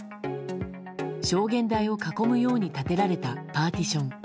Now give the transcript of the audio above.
証言台を囲むように立てられたパーティション。